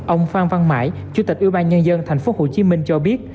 ông phan văn mãi chủ tịch ủy ban nhân dân tp hcm cho biết